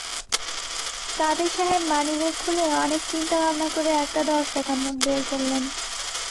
কাদের সাহেব মানিব্যাগ খুলে অনেক চিন্তা-ভাবনা করে একটা দশ টাকার নোট বের করলেন।